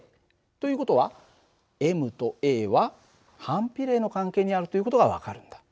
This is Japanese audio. という事はｍとａは反比例の関係にあるという事が分かるんだ。